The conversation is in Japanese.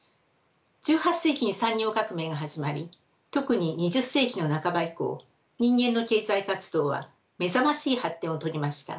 １８世紀に産業革命が始まり特に２０世紀の半ば以降人間の経済活動は目覚ましい発展を遂げました。